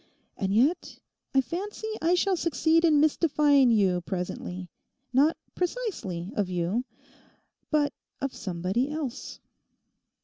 And yet—I fancy I shall succeed in mystifying you presently—not precisely of you, but of somebody else!